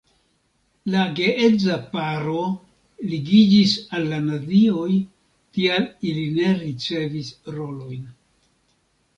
La geedza paro ligiĝis al la nazioj, tial ili ne ricevis rolojn.